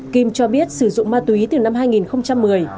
kim cho biết sử dụng ma túy từ năm hai nghìn một mươi